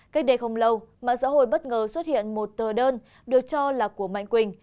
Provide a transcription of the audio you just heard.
cách đây không lâu mạng xã hội bất ngờ xuất hiện một tờ đơn được cho là của mạnh quỳnh